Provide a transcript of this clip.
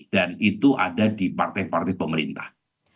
dan itu ada di partai partai pemerintah